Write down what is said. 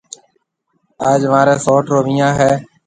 آج مهاريَ سئوٽ رو ويهان هيَ۔